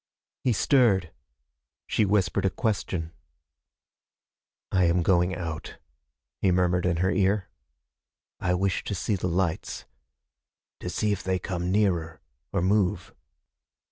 He stirred. She whispered a question. "I am going out," he murmured in her ear. "I wish to see the lights. To see if they come nearer, or move."